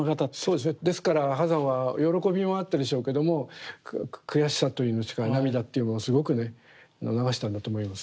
そうですねですから波山は喜びもあったでしょうけども悔しさというんですか涙っていうものすごくね流したんだと思います。